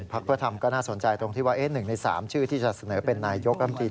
เพื่อทำก็น่าสนใจตรงที่ว่า๑ใน๓ชื่อที่จะเสนอเป็นนายกรมตรี